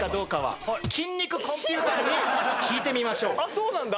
あっそうなんだ！